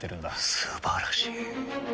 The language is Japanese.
素晴らしい。